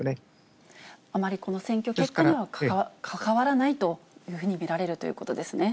あまりこの選挙結果にはかかわらないというふうに見られるということですね。